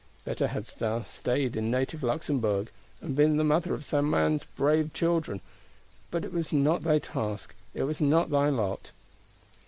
Better hadst thou staid in native Luxemburg, and been the mother of some brave man's children: but it was not thy task, it was not thy lot.